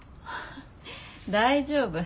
大丈夫。